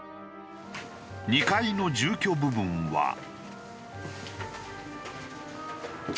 ２階の住居部分は。